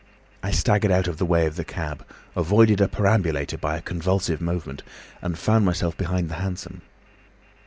I staggered out of the way of the cab, avoided a perambulator by a convulsive movement, and found myself behind the hansom.